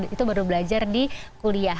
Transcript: itu baru belajar di kuliah